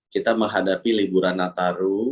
kita menghadapi liburan nataru